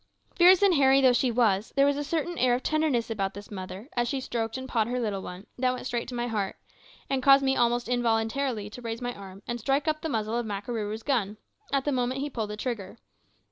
Fierce and hairy though she was, there was a certain air of tenderness about this mother, as she stroked and pawed her little one, that went straight to my heart, and caused me almost involuntarily to raise my arm and strike up the muzzle of Makarooroo's gun, at the moment he pulled the trigger.